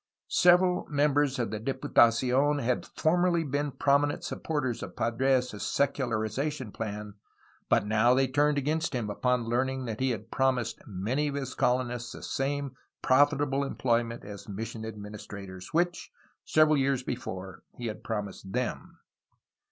Several members of the Diputacion had formerly been prominent supporters of Padres' secularization plan, but they now turned against him upon learning that he had promised many of his colon ists the same profitable employment as mission administra tors which, several years before, he had promised them.